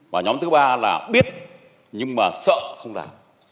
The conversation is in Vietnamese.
và nhóm thứ ba là biết nhưng mà sợ không làm